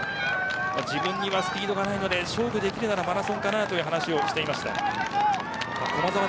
自分にはスピードがないので勝負できるのがマラソンかなという話をしていました。